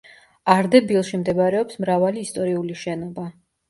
არდებილში მდებარეობს მრავალი ისტორიული შენობა.